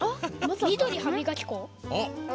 みどり歯みがき粉。